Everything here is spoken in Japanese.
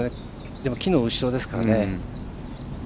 でも、木の後ろですからね。